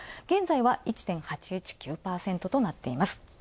現在は１．８１９％となっています。